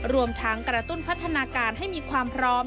รวมทั้งกระตุ้นพัฒนาการให้มีความพร้อม